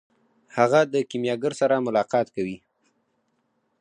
هغه د کیمیاګر سره ملاقات کوي.